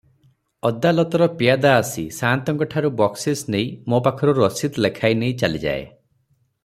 ଅଦାଲତର ପିଆଦା ଆସି ସାଆନ୍ତଙ୍କଠାରୁ ବକ୍ସିସ ନେଇ ମୋ ପାଖରୁ ରସିଦ ଲେଖାଇନେଇ ଚାଲିଯାଏ ।